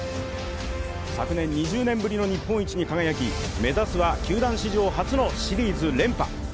昨年２０年ぶりの日本一に輝き、目指すは球団史上初のシリーズ連覇。